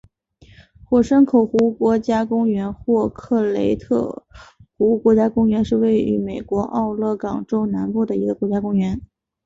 火山口湖国家公园或克雷特湖国家公园是位于美国奥勒冈州南部的一个国家公园。